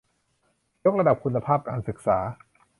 ยกระดับคุณภาพการศึกษา